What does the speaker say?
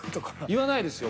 言わないですよ